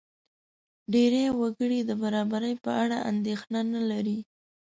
ډېری وګړي د برابرۍ په اړه اندېښنه نه لري.